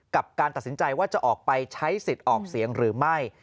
การตัดสินใจว่าจะออกไปใช้สิทธิ์ออกเสียงหรือไม่